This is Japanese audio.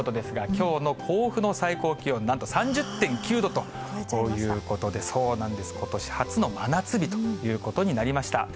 きょうの甲府の最高気温、なんと３０．９度と、こういうことで、そうなんです、ことし初の真夏日ということになりました。